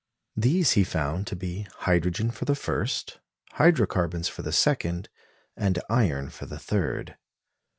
These he found to be hydrogen for the first, hydro carbons for the second, and iron for the third.